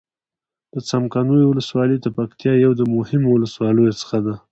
د څمکنيو ولسوالي د پکتيا يو د مهمو ولسواليو څخه ده.